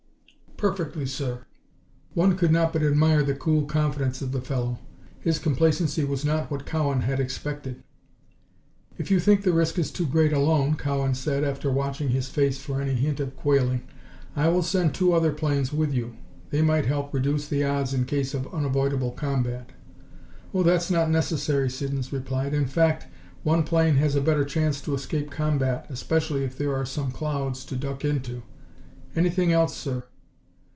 "Perfectly, sir." One could not but admire the cool confidence of the fellow. His complacency was not what Cowan had expected. "If you think the risk is too great, alone," Cowan said, after watching his face for any hint of quailing, "I will send two other planes with you. They might help reduce the odds in case of unavoidable combat." "Oh, that's not necessary," Siddons replied. "In fact, one plane has a better chance to escape combat, especially if there are some clouds to duck into. Anything else, sir?"